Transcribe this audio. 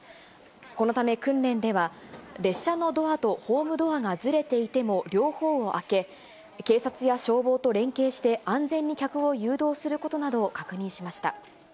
このため、訓練では列車のドアとホームドアがずれていても、両方を開け、警察や消防と連携して、安全に客を誘導することなどを確認しました。